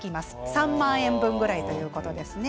３万円分ぐらいということですね。